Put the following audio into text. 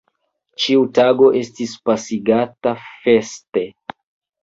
Ĉiu tago estis pasigata feste.